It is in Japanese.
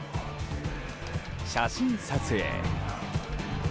写真撮影。